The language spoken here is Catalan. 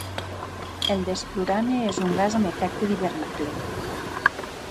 El desflurane és un gas amb efecte d'hivernacle.